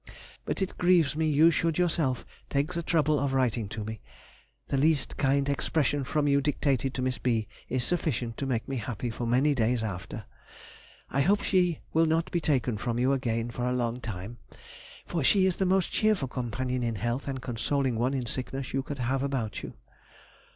But it grieves me you should yourself take the trouble of writing to me; the least kind expression from you dictated to Miss B. is sufficient to make me happy for many days after. I hope she will not be taken from you again for a long time, for she is the most cheerful companion in health and consoling one in sickness you could have about you.